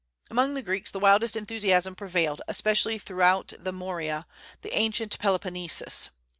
Among the Greeks the wildest enthusiasm prevailed, especially throughout the Morea, the ancient Peloponnesus.